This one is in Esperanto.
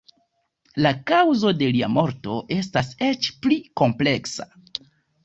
La kaŭzo de lia morto estas eĉ pli kompleksa.